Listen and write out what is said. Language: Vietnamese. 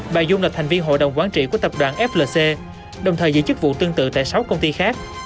bà dung là thành viên hội đồng quán trị của tập đoàn flc đồng thời giữ chức vụ tương tự tại sáu công ty khác